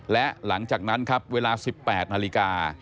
และหลังจากนั้นครับเวลา๑๘นาฬิกา